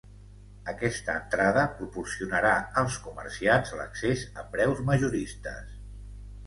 Aquesta entrada proporcionarà als comerciants l'accés a preus majoristes.